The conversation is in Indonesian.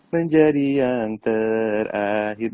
menjadi yang terakhir